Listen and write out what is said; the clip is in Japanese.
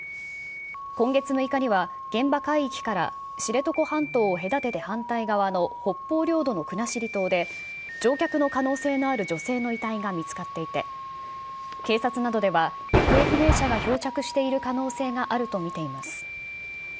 今月６日には、現場海域から知床半島を隔てて反対側の北方領土の国後島で、乗客の可能性のある女性の遺体が見つかっていて、警察などでは行方不明者が漂着している可能性があると見ています。